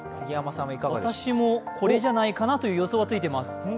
私も、これじゃないかなという予想はついています。